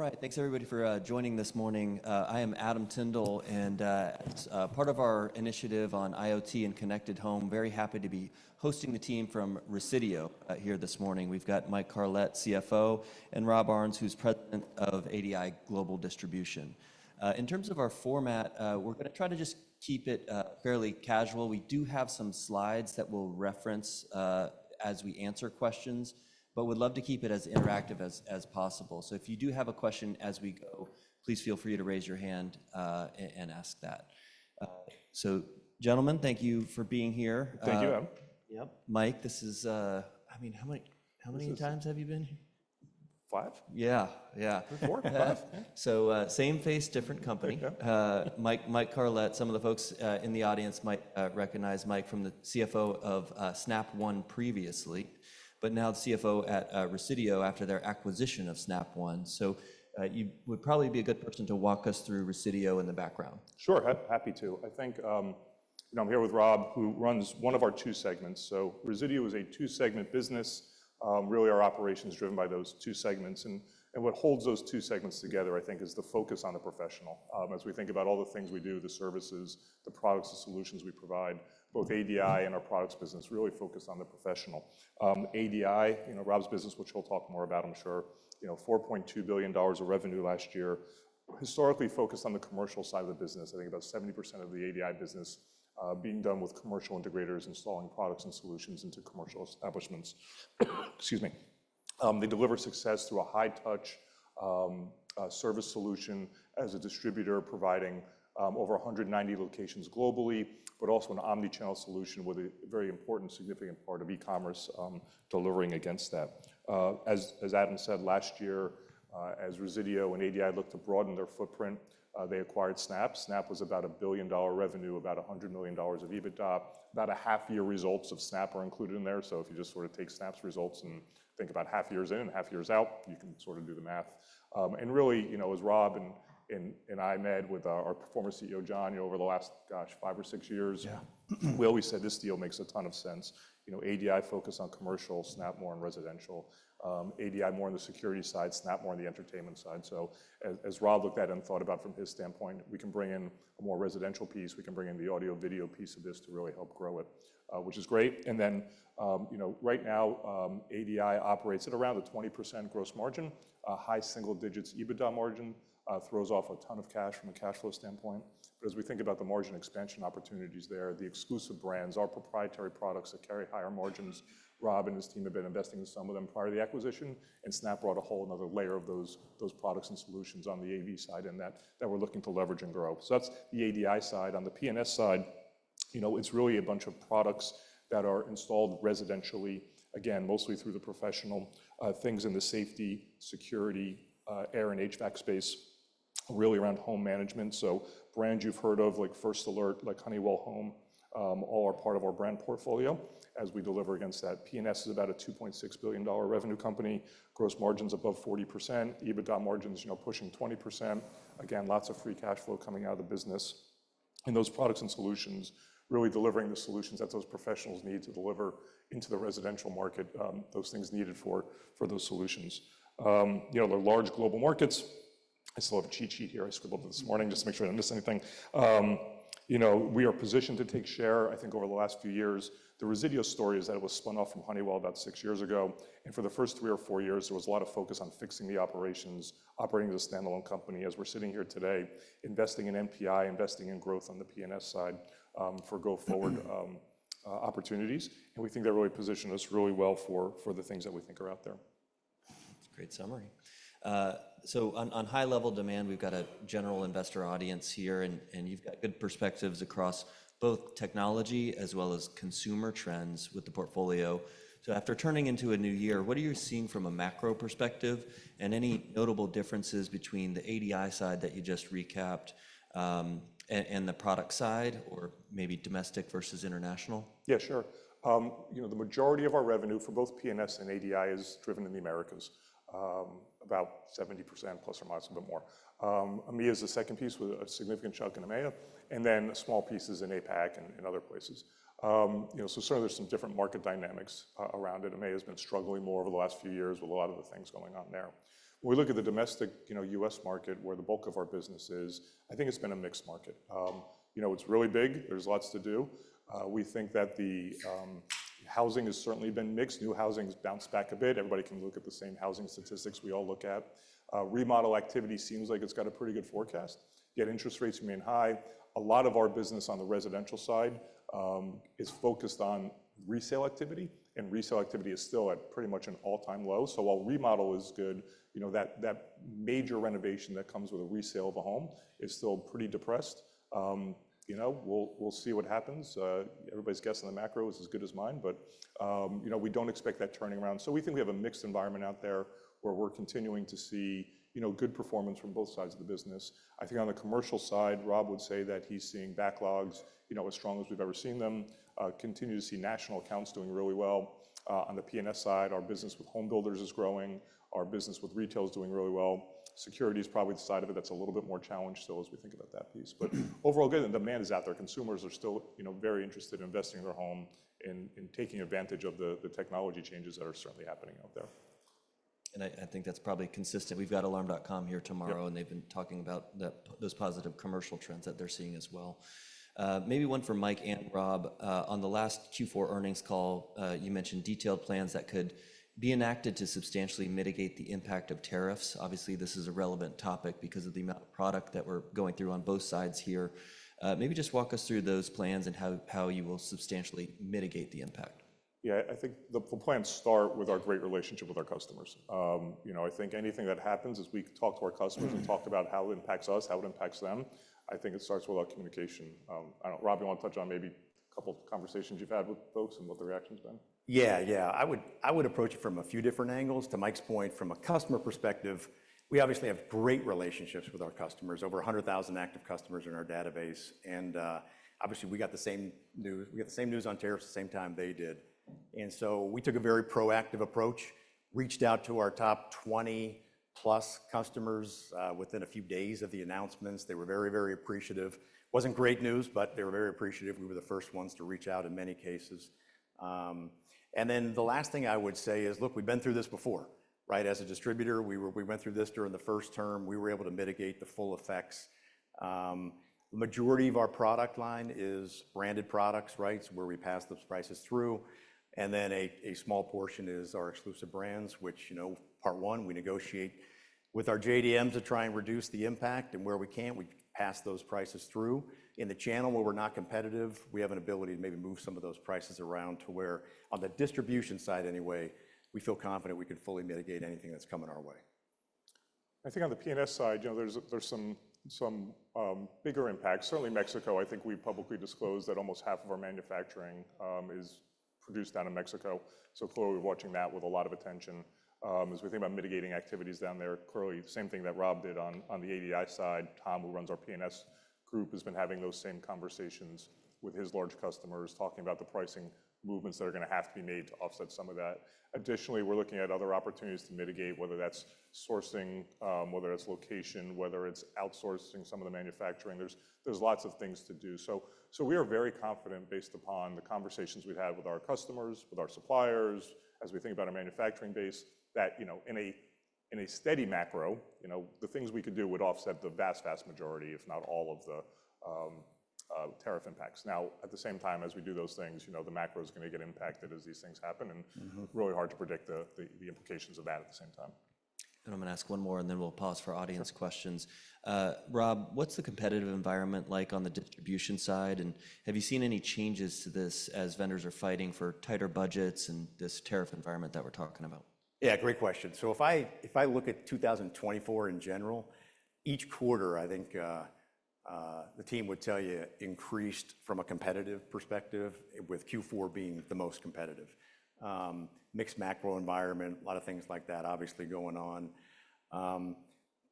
All right, thanks everybody for joining this morning. I am Adam Tindle, and it's part of our initiative on IoT and connected home. Very happy to be hosting the team from Resideo here this morning. We've got Mike Carlet, CFO, and Rob Aarnes, who's President of ADI Global Distribution. In terms of our format, we're going to try to just keep it fairly casual. We do have some slides that we'll reference as we answer questions, but we'd love to keep it as interactive as possible. So if you do have a question as we go, please feel free to raise your hand and ask that. So, gentlemen, thank you for being here. Thank you. Yep. Mike, this is, I mean, how many times have you been here? Five? Yeah, yeah. Or four, five. So, same face, different company. There you go. Mike Carlet, some of the folks in the audience might recognize Mike from the CFO of Snap One previously, but now the CFO at Resideo after their acquisition of Snap One. So you would probably be a good person to walk us through Resideo and the background. Sure, happy to. I think I'm here with Rob, who runs one of our two segments. So Resideo is a two-segment business. Really, our operation is driven by those two segments. And what holds those two segments together, I think, is the focus on the professional. As we think about all the things we do, the services, the products, the solutions we provide, both ADI and our products business really focus on the professional. ADI, you know, Rob's business, which we'll talk more about, I'm sure, $4.2 billion of revenue last year, historically focused on the commercial side of the business. I think about 70% of the ADI business being done with commercial integrators, installing products and solutions into commercial establishments. Excuse me. They deliver success through a high-touch service solution as a distributor, providing over 190 locations globally, but also an omnichannel solution with a very important, significant part of e-commerce delivering against that. As Adam said, last year, as Resideo and ADI looked to broaden their footprint, they acquired Snap. Snap was about $1 billion revenue, about $100 million of EBITDA. About half-year results of Snap are included in there. So if you just sort of take Snap's results and think about half years in and half years out, you can sort of do the math. And really, you know, as Rob and I met with our former CEO, John, you know, over the last, gosh, five or six years, we always said this deal makes a ton of sense. You know, ADI focus on commercial, Snap more on residential, ADI more on the security side, Snap more on the entertainment side. So as Rob looked at it and thought about from his standpoint, we can bring in a more residential piece. We can bring in the audio video piece of this to really help grow it, which is great. And then, you know, right now, ADI operates at around a 20% gross margin, a high single-digit EBITDA margin, throws off a ton of cash from a cash flow standpoint. But as we think about the margin expansion opportunities there, the Exclusive Brands, our proprietary products that carry higher margins, Rob and his team have been investing in some of them prior to the acquisition. And Snap brought a whole nother layer of those products and solutions on the AV side and that we're looking to leverage and grow. So that's the ADI side. On the P&S side, you know, it's really a bunch of products that are installed residentially, again, mostly through the professional things in the safety, security, air and HVAC space, really around home management. So brands you've heard of, like First Alert, like Honeywell Home, all are part of our brand portfolio as we deliver against that. P&S is about a $2.6 billion revenue company, gross margins above 40%, EBITDA margins, you know, pushing 20%. Again, lots of free cash flow coming out of the business. And those products and solutions really delivering the solutions that those professionals need to deliver into the residential market, those things needed for those solutions. You know, they're large global markets. I still have cheat sheet here. I scribbled this morning just to make sure I didn't miss anything. You know, we are positioned to take share, I think, over the last few years. The Resideo story is that it was spun off from Honeywell about six years ago, and for the first 3-4 years, there was a lot of focus on fixing the operations, operating as a standalone company as we're sitting here today, investing in NPI, investing in growth on the P&S side for go-forward opportunities, and we think they're really positioned us really well for the things that we think are out there. That's a great summary. So on high-level demand, we've got a general investor audience here, and you've got good perspectives across both technology as well as consumer trends with the portfolio. So after turning into a new year, what are you seeing from a macro perspective and any notable differences between the ADI side that you just recapped and the product side or maybe domestic versus international? Yeah, sure. You know, the majority of our revenue for both P&S and ADI is driven in the Americas, about ±70% a bit more. EMEA is the second piece with a significant chunk in EMEA, and then a small piece is in APAC and other places. You know, so certainly there's some different market dynamics around it. EMEA has been struggling more over the last few years with a lot of the things going on there. When we look at the domestic, you know, U.S. market where the bulk of our business is, I think it's been a mixed market. You know, it's really big. There's lots to do. We think that the housing has certainly been mixed. New housing has bounced back a bit. Everybody can look at the same housing statistics we all look at. Remodel activity seems like it's got a pretty good forecast. Yet interest rates remain high. A lot of our business on the residential side is focused on resale activity, and resale activity is still at pretty much an all-time low. So while remodel is good, you know, that major renovation that comes with a resale of a home is still pretty depressed. You know, we'll see what happens. Everybody's guessing the macro is as good as mine, but you know, we don't expect that turning around. So we think we have a mixed environment out there where we're continuing to see, you know, good performance from both sides of the business. I think on the commercial side, Rob would say that he's seeing backlogs, you know, as strong as we've ever seen them. Continue to see National Accounts doing really well. On the P&S side, our business with homebuilders is growing. Our business with retail is doing really well. Security is probably the side of it that's a little bit more challenged, so as we think about that piece, but overall, good, and demand is out there. Consumers are still, you know, very interested in investing in their home and taking advantage of the technology changes that are certainly happening out there. And I think that's probably consistent. We've got Alarm.com here tomorrow, and they've been talking about those positive commercial trends that they're seeing as well. Maybe one for Mike and Rob. On the last Q4 earnings call, you mentioned detailed plans that could be enacted to substantially mitigate the impact of tariffs. Obviously, this is a relevant topic because of the amount of product that we're going through on both sides here. Maybe just walk us through those plans and how you will substantially mitigate the impact. Yeah, I think the plans start with our great relationship with our customers. You know, I think anything that happens as we talk to our customers and talk about how it impacts us, how it impacts them, I think it starts with our communication. I don't know, Rob, you want to touch on maybe a couple of conversations you've had with folks and what the reaction's been? Yeah, yeah. I would approach it from a few different angles. To Mike's point, from a customer perspective, we obviously have great relationships with our customers, over 100,000 active customers in our database. And obviously, we got the same news on tariffs at the same time they did. And so we took a very proactive approach, reached out to our top 20+ customers within a few days of the announcements. They were very, very appreciative. Wasn't great news, but they were very appreciative. We were the first ones to reach out in many cases. And then the last thing I would say is, look, we've been through this before, right? As a distributor, we went through this during the first term. We were able to mitigate the full effects. The majority of our product line is branded products, right? It's where we pass those prices through. And then a small portion is our exclusive brands, which, you know, part one, we negotiate with our JDMs to try and reduce the impact. And where we can't, we pass those prices through. In the channel where we're not competitive, we have an ability to maybe move some of those prices around to where, on the distribution side anyway, we feel confident we can fully mitigate anything that's coming our way. I think on the P&S side, you know, there's some bigger impact. Certainly Mexico, I think we publicly disclosed that almost half of our manufacturing is produced out of Mexico. So clearly we're watching that with a lot of attention. As we think about mitigating activities down there, clearly same thing that Rob did on the ADI side. Tom, who runs our P&S group, has been having those same conversations with his large customers, talking about the pricing movements that are going to have to be made to offset some of that. Additionally, we're looking at other opportunities to mitigate, whether that's sourcing, whether it's location, whether it's outsourcing some of the manufacturing. There's lots of things to do. So we are very confident based upon the conversations we've had with our customers, with our suppliers, as we think about our manufacturing base, that, you know, in a steady macro, you know, the things we could do would offset the vast, vast majority, if not all of the tariff impacts. Now, at the same time, as we do those things, you know, the macro is going to get impacted as these things happen. And really hard to predict the implications of that at the same time. I'm going to ask one more, and then we'll pause for audience questions. Rob, what's the competitive environment like on the distribution side? And have you seen any changes to this as vendors are fighting for tighter budgets and this tariff environment that we're talking about? Yeah, great question. So if I look at 2024 in general, each quarter, I think the team would tell you increased from a competitive perspective, with Q4 being the most competitive. Mixed macro environment, a lot of things like that obviously going on.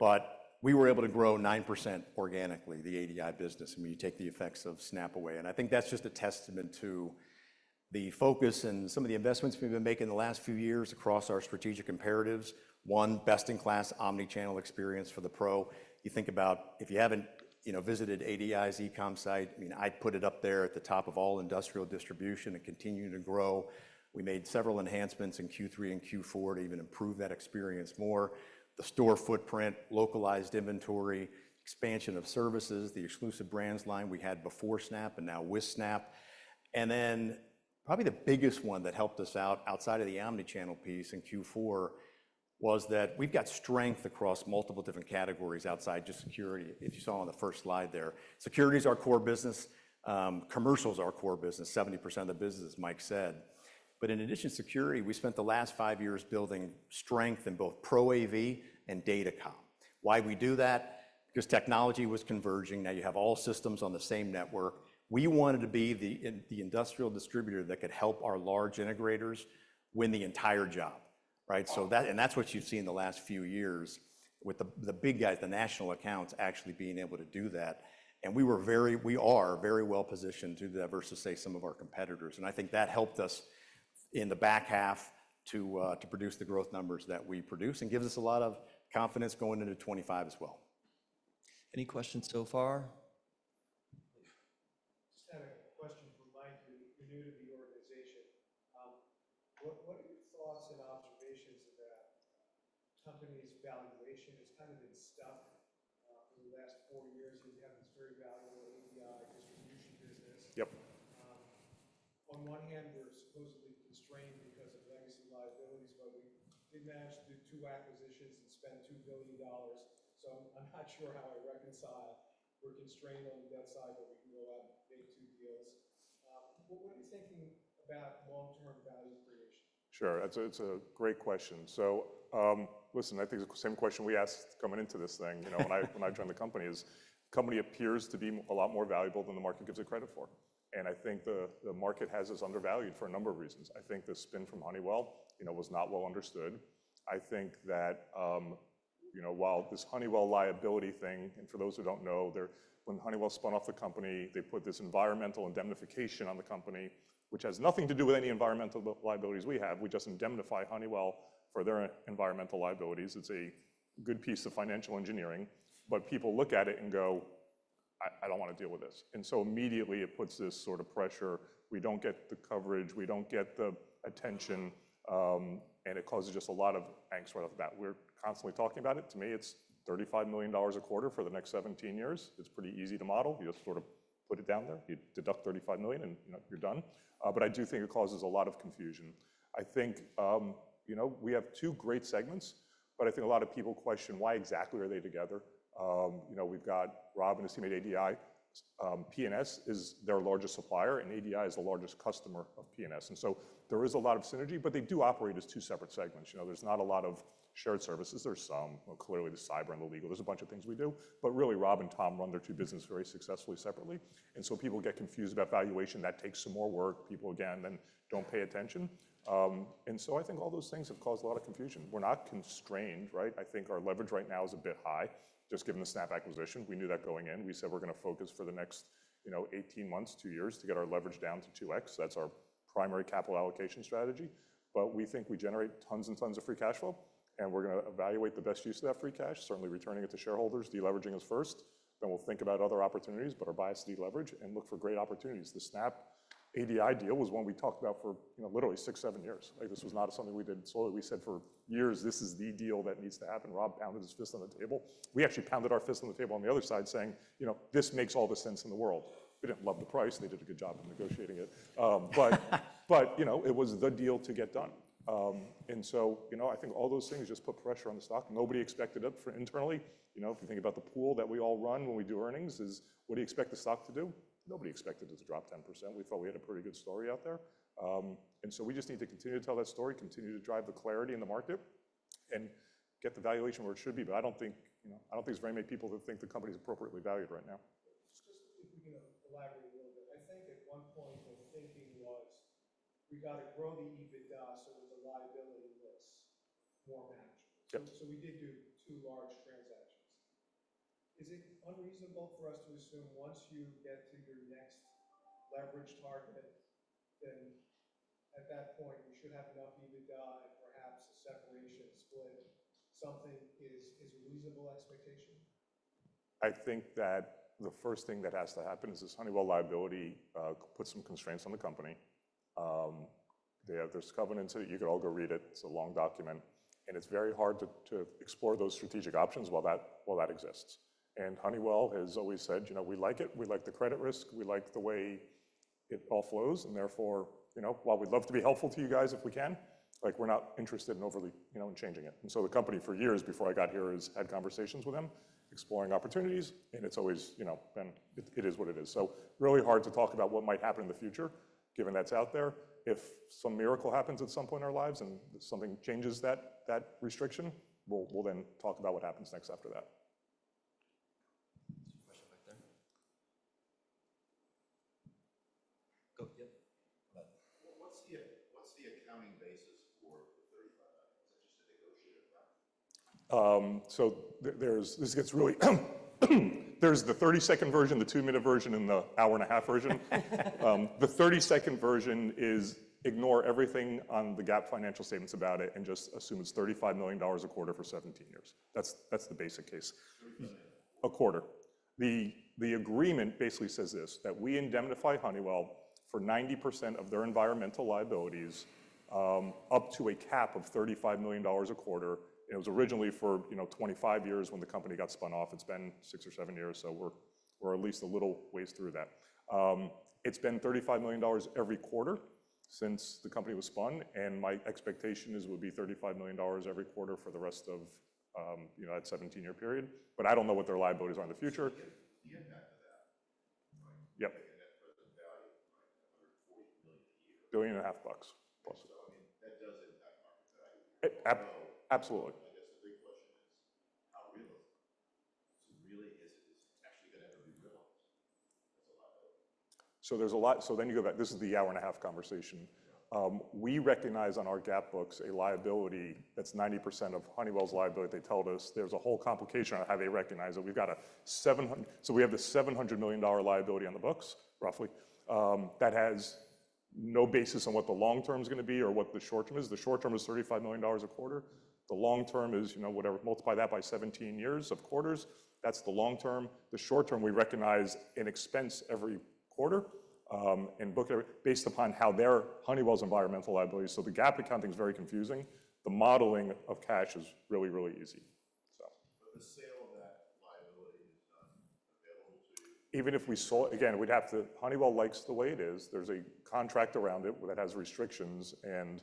But we were able to grow 9% organically, the ADI business, when you take the effects of Snap away. And I think that's just a testament to the focus and some of the investments we've been making the last few years across our strategic imperatives. One, best-in-class omnichannel experience for the pro. You think about if you haven't, you know, visited ADI's e-comm site, I mean, I'd put it up there at the top of all industrial distribution and continuing to grow. We made several enhancements in Q3 and Q4 to even improve that experience more. The store footprint, localized inventory, expansion of services, the exclusive brands line we had before Snap and now with Snap. And then probably the biggest one that helped us out outside of the omnichannel piece in Q4 was that we've got strength across multiple different categories outside just security. If you saw on the first slide there, security is our core business. Commercial is our core business, 70% of the business, as Mike said. But in addition to security, we spent the last five years building strength in both Pro AV and Datacom. Why we do that? Because technology was converging. Now you have all systems on the same network. We wanted to be the industrial distributor that could help our large integrators win the entire job, right? So that, and that's what you've seen the last few years with the big guys, the National Accounts actually being able to do that. And we were very, we are very well positioned to diversify some of our competitors. And I think that helped us in the back half to produce the growth numbers that we produce and gives us a lot of confidence going into 2025 as well. Any questions so far? Just had a question from Mike. You're new to the organization. What are your thoughts and observations about companies' valuation? It's kind of been stuck for the last four years. You have this very valuable ADI distribution business. Yep. On one hand, we're supposedly constrained because of legacy liabilities, but we did manage to do two acquisitions and spend $2 billion. So I'm not sure how I reconcile. We're constrained on the debt side, but we can go out and make two deals. What are you thinking about long-term value creation? Sure. It's a great question, so listen. I think the same question we asked coming into this thing, you know, when I joined the company is the company appears to be a lot more valuable than the market gives it credit for, and I think the market has us undervalued for a number of reasons. I think the spin from Honeywell, you know, was not well understood. I think that, you know, while this Honeywell liability thing, and for those who don't know, when Honeywell spun off the company, they put this environmental indemnification on the company, which has nothing to do with any environmental liabilities we have. We just indemnify Honeywell for their environmental liabilities. It's a good piece of financial engineering, but people look at it and go, "I don't want to deal with this," and so immediately it puts this sort of pressure. We don't get the coverage. We don't get the attention, and it causes just a lot of angst right off the bat. We're constantly talking about it. To me, it's $35 million a quarter for the next 17 years. It's pretty easy to model. You just sort of put it down there. You deduct $35 million and you're done, but I do think it causes a lot of confusion. I think, you know, we have two great segments, but I think a lot of people question why exactly are they together. You know, we've got Rob and his team at ADI. P&S is their largest supplier, and ADI is the largest customer of P&S. And so there is a lot of synergy, but they do operate as two separate segments. You know, there's not a lot of shared services. There's some, clearly the cyber and the legal. There's a bunch of things we do. But really, Rob and Tom run their two businesses very successfully separately. And so people get confused about valuation. That takes some more work. People again then don't pay attention. And so I think all those things have caused a lot of confusion. We're not constrained, right? I think our leverage right now is a bit high, just given the Snap acquisition. We knew that going in. We said we're going to focus for the next, you know, 18 months, two years, to get our leverage down to 2x. That's our primary capital allocation strategy. But we think we generate tons and tons of free cash flow, and we're going to evaluate the best use of that free cash, certainly returning it to shareholders, deleveraging us first. Then we'll think about other opportunities, but our bias is deleverage and look for great opportunities. The Snap ADI deal was one we talked about for, you know, literally six, seven years. This was not something we did solely. We said for years, this is the deal that needs to happen. Rob pounded his fist on the table. We actually pounded our fist on the table on the other side saying, you know, this makes all the sense in the world. We didn't love the price. They did a good job of negotiating it. But, you know, it was the deal to get done, and so, you know, I think all those things just put pressure on the stock. Nobody expected it internally. You know, if you think about the poll that we all run when we do earnings, is what do you expect the stock to do? Nobody expected it to drop 10%. We thought we had a pretty good story out there. And so we just need to continue to tell that story, continue to drive the clarity in the market, and get the valuation where it should be. But I don't think, you know, I don't think there's very many people that think the company is appropriately valued right now. Just to elaborate a little bit, I think at one point the thinking was we got to grow the EBITDA so that the liability looks more manageable. So we did do two large transactions. Is it unreasonable for us to assume once you get to your next leverage target, then at that point you should have enough EBITDA and perhaps a separation, a split, something is a reasonable expectation? I think that the first thing that has to happen is this Honeywell liability puts some constraints on the company. There's covenants that you could all go read it. It's a long document, and it's very hard to explore those strategic options while that exists, and Honeywell has always said, you know, we like it. We like the credit risk. We like the way it all flows, and therefore, you know, while we'd love to be helpful to you guys if we can, like we're not interested in overly, you know, in changing it, and so the company for years before I got here has had conversations with them exploring opportunities, and it's always, you know, been it is what it is, so really hard to talk about what might happen in the future, given that's out there. If some miracle happens at some point in our lives and something changes that restriction, we'll then talk about what happens next after that. Question back there. Go. Yeah. What's the accounting basis for the $35 million? Is that just a negotiated amount? There's the 30-second version, the two-minute version, and the 1.5 hour version. The 30-second version is ignore everything on the GAAP financial statements about it and just assume it's $35 million a quarter for 17 years. That's the basic case. 3%. A quarter. The agreement basically says this, that we indemnify Honeywell for 90% of their environmental liabilities up to a cap of $35 million a quarter. And it was originally for, you know, 25 years when the company got spun off. It's been six or seven years, so we're at least a little ways through that. It's been $35 million every quarter since the company was spun. And my expectation is it would be $35 million every quarter for the rest of, you know, that 17-year period. But I don't know what their liabilities are in the future. The impact of that, right? Yep. The impact of the value, right? $140 million a year. $1.5 billion+. I mean, that does impact market value. Absolutely. I guess the big question is how real is it? So really, is it actually going to ever be realized? That's a liability. So there's a lot. So then you go back. This is the hour-and-a-half conversation. We recognize on our GAAP books a liability that's 90% of Honeywell's liability. They told us there's a whole complication on how they recognize it. We've got a 700. So we have the $700 million liability on the books, roughly, that has no basis on what the long term is going to be or what the short term is. The short term is $35 million a quarter. The long term is, you know, whatever. Multiply that by 17 years of quarters. That's the long term. The short term, we recognize an expense every quarter and book it based upon how they recognize Honeywell's environmental liability. So the GAAP accounting is very confusing. The modeling of cash is really, really easy, so. But the sale of that liability is not available to you? Even if we sold, again, we'd have to. Honeywell likes the way it is. There's a contract around it that has restrictions and.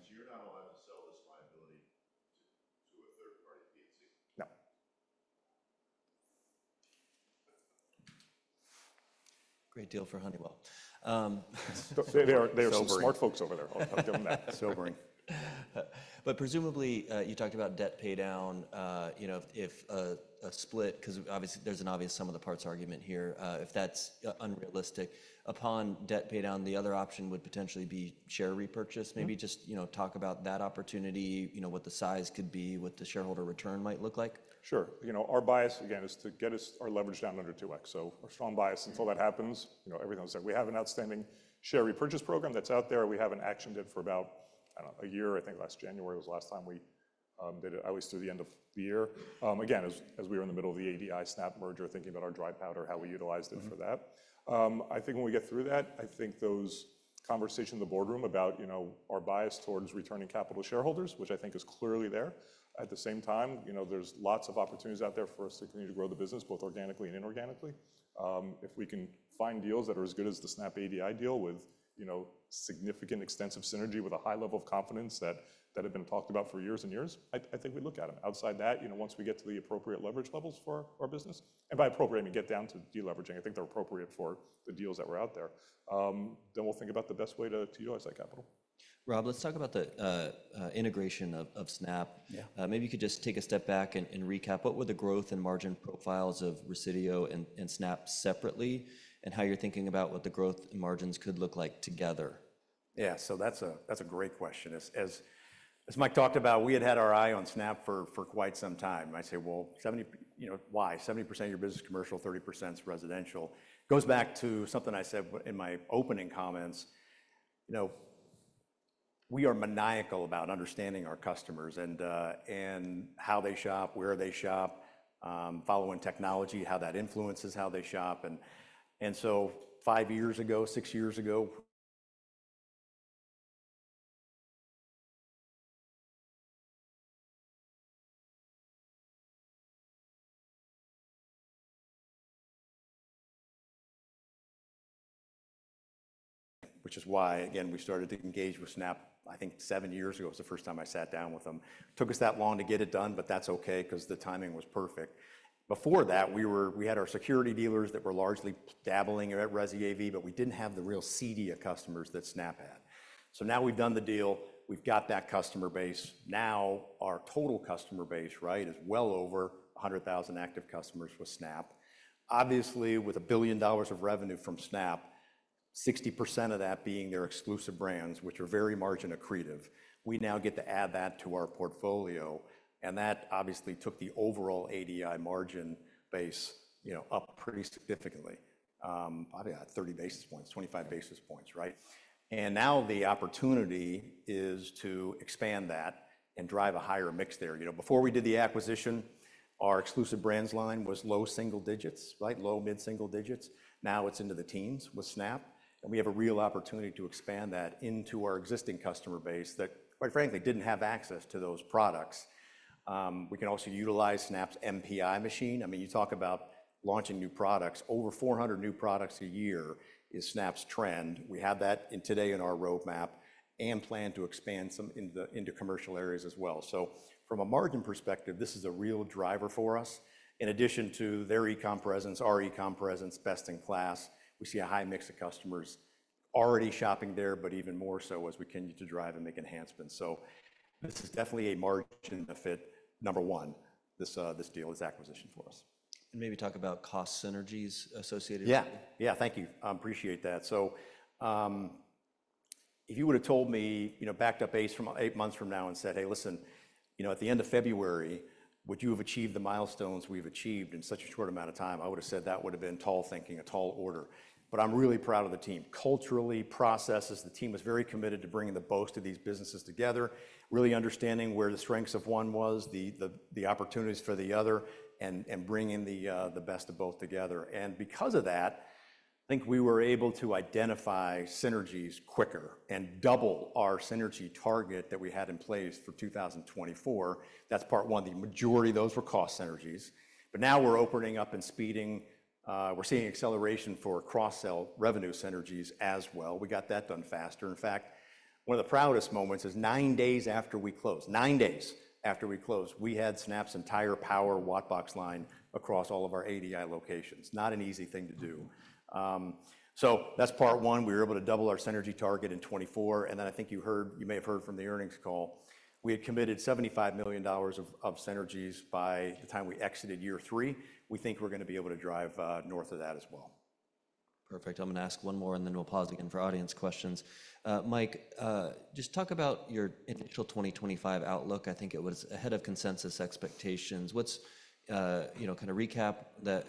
So you're not allowed to sell this liability to a third party B and C? No. Great deal for Honeywell. They're smart folks over there. I'm giving that. Silvering. But presumably you talked about debt pay down. You know, if a split, because obviously there's an obvious sum of the parts argument here, if that's unrealistic, upon debt pay down, the other option would potentially be share repurchase. Maybe just, you know, talk about that opportunity, you know, what the size could be, what the shareholder return might look like. Sure. You know, our bias, again, is to get us our leverage down under 2x. So our strong bias, until that happens, you know, everything looks like we have an outstanding share repurchase program that's out there. We haven't actioned it for about, I don't know, a year. I think last January was the last time we did it. I always do the end of the year. Again, as we were in the middle of the ADI-Snap merger, thinking about our dry powder, how we utilized it for that. I think when we get through that, I think those conversations in the boardroom about, you know, our bias towards returning capital to shareholders, which I think is clearly there. At the same time, you know, there's lots of opportunities out there for us to continue to grow the business, both organically and inorganically. If we can find deals that are as good as the Snap ADI deal with, you know, significant extensive synergy with a high level of confidence that have been talked about for years and years, I think we'd look at them. Outside that, you know, once we get to the appropriate leverage levels for our business, and by appropriate, I mean get down to deleveraging. I think they're appropriate for the deals that were out there. Then we'll think about the best way to utilize that capital. Rob, let's talk about the integration of Snap. Maybe you could just take a step back and recap. What were the growth and margin profiles of Resideo and Snap separately and how you're thinking about what the growth and margins could look like together? Yeah, so that's a great question. As Mike talked about, we had had our eye on Snap for quite some time. I say, well, 70%, you know, why? 70% of your business is commercial, 30% is residential. Goes back to something I said in my opening comments. You know, we are maniacal about understanding our customers and how they shop, where they shop, following technology, how that influences how they shop. And so five years ago, six years ago. Which is why, again, we started to engage with Snap. I think seven years ago was the first time I sat down with them. Took us that long to get it done, but that's okay because the timing was perfect. Before that, we had our security dealers that were largely dabbling at Resideo AV, but we didn't have the real CEDIA customers that Snap had. So now we've done the deal. We've got that customer base. Now our total customer base, right, is well over 100,000 active customers with Snap. Obviously, with $1 billion of revenue from Snap, 60% of that being their exclusive brands, which are very margin accretive, we now get to add that to our portfolio. And that obviously took the overall ADI margin base, you know, up pretty significantly, probably at 30 basis points, 25 basis points, right? And now the opportunity is to expand that and drive a higher mix there. You know, before we did the acquisition, our exclusive brands line was low single digits, right? Low, mid-single digits. Now it's into the teens with Snap. And we have a real opportunity to expand that into our existing customer base that, quite frankly, didn't have access to those products. We can also utilize Snap's NPI machine. I mean, you talk about launching new products. Over 400 new products a year is Snap's trend. We have that today in our roadmap and plan to expand some into commercial areas as well. So from a margin perspective, this is a real driver for us. In addition to their e-com presence, our e-com presence, best in class, we see a high mix of customers already shopping there, but even more so as we continue to drive and make enhancements. So this is definitely a margin benefit, number one, this deal, this acquisition for us. Maybe talk about cost synergies associated with it. Yeah, yeah, thank you. I appreciate that. So if you would have told me, you know, backed up eight months from now and said, "Hey, listen, you know, at the end of February, would you have achieved the milestones we've achieved in such a short amount of time?" I would have said that would have been tall thinking, a tall order. But I'm really proud of the team. Culturally, processes, the team is very committed to bringing the best of these businesses together, really understanding where the strengths of one was, the opportunities for the other, and bringing the best of both together. And because of that, I think we were able to identify synergies quicker and double our synergy target that we had in place for 2024. That's part one. The majority of those were cost synergies. But now we're opening up and speeding. We're seeing acceleration for cross-sell revenue synergies as well. We got that done faster. In fact, one of the proudest moments is nine days after we closed, nine days after we closed, we had Snap's entire WattBox line across all of our ADI locations. Not an easy thing to do, so that's part one. We were able to double our synergy target in 2024, and then I think you heard, you may have heard from the earnings call, we had committed $75 million of synergies by the time we exited year three. We think we're going to be able to drive north of that as well. Perfect. I'm going to ask one more and then we'll pause again for audience questions. Mike, just talk about your initial 2025 outlook. I think it was ahead of consensus expectations. What's, you know, kind of recap that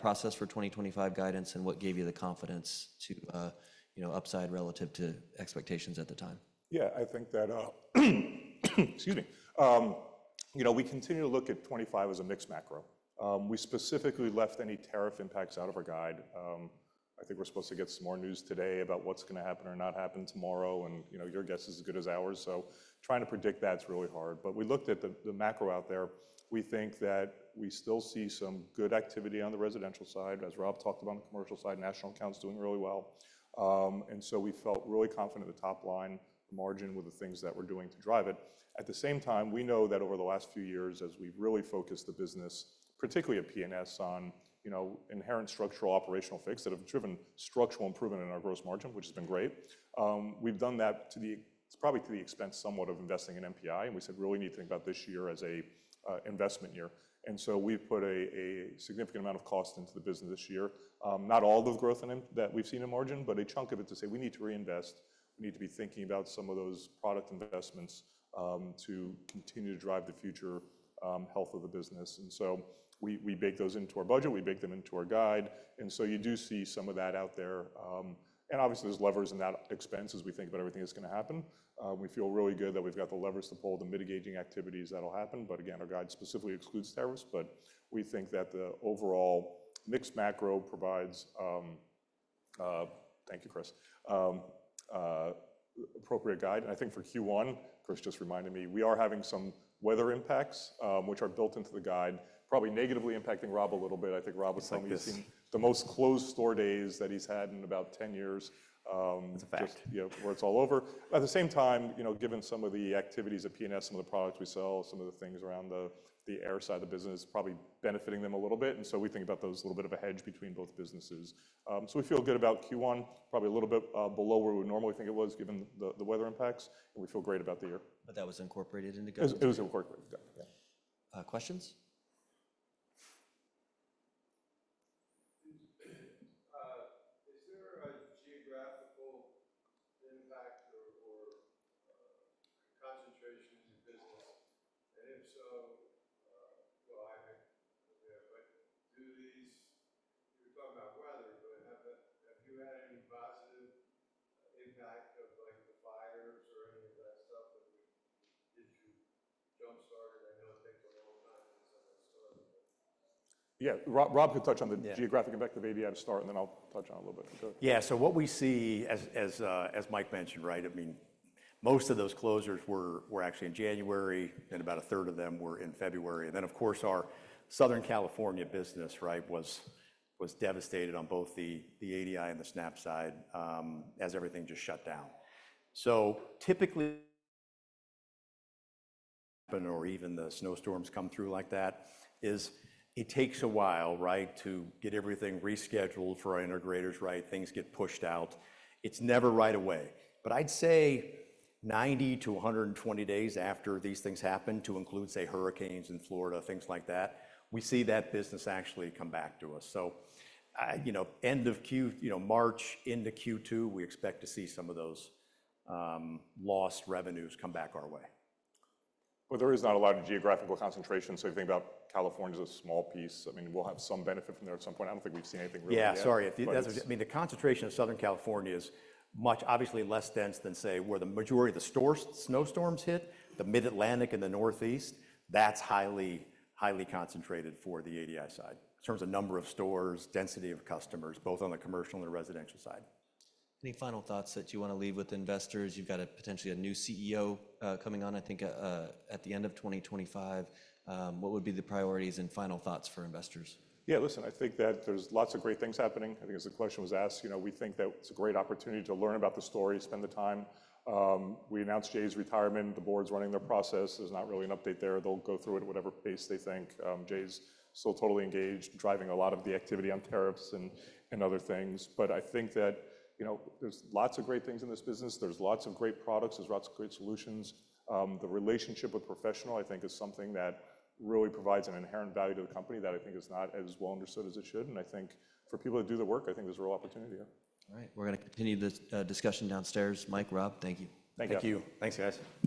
process for 2025 guidance and what gave you the confidence to, you know, upside relative to expectations at the time? Yeah, I think that, excuse me, you know, we continue to look at 2025 as a mixed macro. We specifically left any tariff impacts out of our guide. I think we're supposed to get some more news today about what's going to happen or not happen tomorrow. And, you know, your guess is as good as ours. So, trying to predict that is really hard. But we looked at the macro out there. We think that we still see some good activity on the residential side, as Rob talked about on the commercial side, national accounts doing really well. And so we felt really confident in the top line, the margin with the things that we're doing to drive it. At the same time, we know that over the last few years, as we've really focused the business, particularly at P&S, on, you know, inherent structural operational fixes that have driven structural improvement in our gross margin, which has been great. We've done that to the, it's probably to the expense somewhat of investing in NPI. And we said, "We really need to think about this year as an investment year." And so we've put a significant amount of cost into the business this year. Not all of the growth that we've seen in margin, but a chunk of it to say we need to reinvest. We need to be thinking about some of those product investments to continue to drive the future health of the business. And so we baked those into our budget. We baked them into our guide. And so you do see some of that out there. And obviously, there's levers in that expense as we think about everything that's going to happen. We feel really good that we've got the levers to pull the mitigating activities that will happen. But again, our guide specifically excludes tariffs. But we think that the overall mixed macro provides, thank you, Chris, appropriate guide. And I think for Q1, Chris just reminded me, we are having some weather impacts, which are built into the guide, probably negatively impacting Rob a little bit. I think Rob was telling me he's seen the most closed store days that he's had in about 10 years. That's a fact. Yeah, where it's all over. At the same time, you know, given some of the activities at P&S, some of the products we sell, some of the things around the air side of the business, probably benefiting them a little bit, and so we think about those a little bit of a hedge between both businesses, so we feel good about Q1, probably a little bit below where we would normally think it was given the weather impacts, and we feel great about the year. But that was incorporated into good. It was incorporated. Yeah. Questions? Is there a geographical impact or concentration in your business? And if so, well, I mean, do these you were talking about weather, but have you had any positive impact of like the fires or any of that stuff that did you jump-start it? I know it takes a long time to get something started, but. Yeah, Rob could touch on the geographic effect of ADI to start, and then I'll touch on it a little bit. Yeah, so what we see, as Mike mentioned, right? I mean, most of those closures were actually in January, and about a third of them were in February. And then, of course, our Southern California business, right, was devastated on both the ADI and the Snap side as everything just shut down. So typically, or even the snowstorms come through like that, is it takes a while, right, to get everything rescheduled for our integrators, right? Things get pushed out. It's never right away. But I'd say 90-120 days after these things happen to include, say, hurricanes in Florida, things like that, we see that business actually come back to us. So, you know, end of Q, you know, March into Q2, we expect to see some of those lost revenues come back our way. There is not a lot of geographical concentration, so if you think about California as a small piece, I mean, we'll have some benefit from there at some point. I don't think we've seen anything really big. Yeah, sorry. I mean, the concentration of Southern California is much, obviously, less dense than, say, where the majority of the snowstorms hit, the Mid-Atlantic and the Northeast. That's highly, highly concentrated for the ADI side in terms of number of stores, density of customers, both on the commercial and the residential side. Any final thoughts that you want to leave with investors? You've got potentially a new CEO coming on, I think at the end of 2025. What would be the priorities and final thoughts for investors? Yeah, listen, I think that there's lots of great things happening. I think as the question was asked, you know, we think that it's a great opportunity to learn about the story, spend the time. We announced Jay's retirement. The board's running their process. There's not really an update there. They'll go through it at whatever pace they think. Jay's still totally engaged, driving a lot of the activity on tariffs and other things. But I think that, you know, there's lots of great things in this business. There's lots of great products. There's lots of great solutions. The relationship with professional, I think, is something that really provides an inherent value to the company that I think is not as well understood as it should, and I think for people to do the work, I think there's a real opportunity here. All right. We're going to continue this discussion downstairs. Mike, Rob, thank you. Thank you. Thank you. Thanks, guys.